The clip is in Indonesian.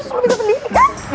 lo bisa sendiri kan